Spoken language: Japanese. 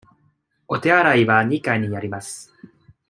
お手洗いは二階にあります。